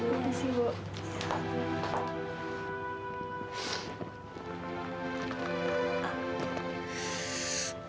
terima kasih bu